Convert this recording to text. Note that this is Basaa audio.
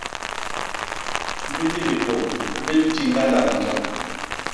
Bini bitôñ bi nti ñgandak njoñ.